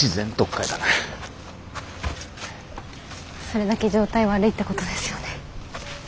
それだけ状態悪いってことですよね。